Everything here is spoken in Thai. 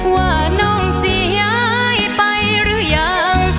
ว่าน้องเสียหายไปหรือยัง